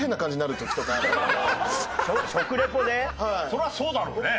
それはそうだろうね。